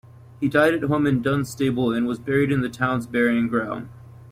He died at home in Dunstable and was buried in the town's burying ground.